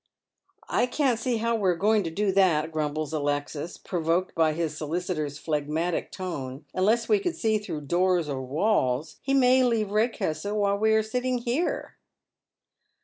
" I can't see how we are to do that," grumbles Alexis, provoked by his soHcitor's phlegmatic tone, "unless we could see through doors or walls. He may leave Eedcastle while we are sitting here."